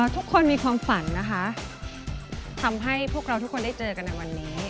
ทุกคนมีความฝันนะคะทำให้พวกเราทุกคนได้เจอกันในวันนี้